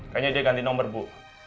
kayaknya dia ganti nomor bu